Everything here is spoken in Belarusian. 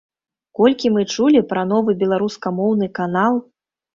Колькі мы чулі пра новы беларускамоўны канал!